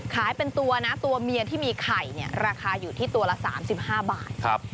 ขายเป็นตัวนะตัวเมียที่มีไข่เนี้ยราคาอยู่ที่ตัวละสามสิบห้าบาทครับ